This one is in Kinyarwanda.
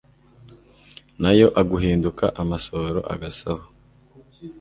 nayo aguhinduka amasohoro agasaho